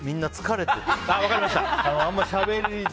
分かりました。